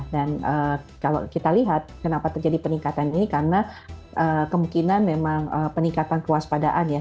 dan kalau kita lihat kenapa terjadi peningkatan ini karena kemungkinan memang peningkatan kewaspadaan ya